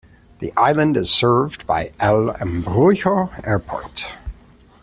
The island is served by El Embrujo Airport.